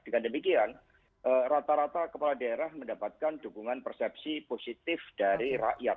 dengan demikian rata rata kepala daerah mendapatkan dukungan persepsi positif dari rakyat